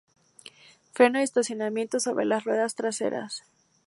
Freno de estacionamiento: sobre las ruedas traseras.